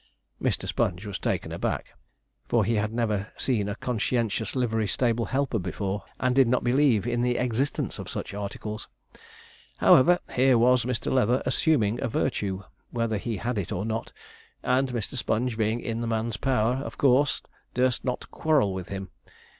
Mr. Sponge was taken aback, for he had never seen a conscientious livery stable helper before, and did not believe in the existence of such articles. However, here was Mr. Leather assuming a virtue, whether he had it or not; and Mr. Sponge being in the man's power, of course durst not quarrel with him.